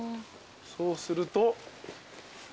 そうすると。